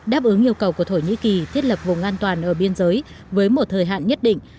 đáp ứng yêu cầu của thổ nhĩ kỳ thiết lập vùng an toàn ở biên giới với một thời hạn nhất định